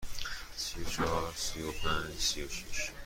سی و چهار، سی و پنج، سی و شش.